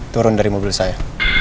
turun dari mobil saya